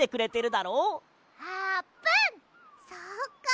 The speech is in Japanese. そっか！